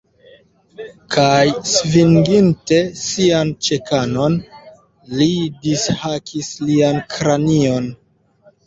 Kaj, svinginte sian ĉekanon, li dishakis lian kranion.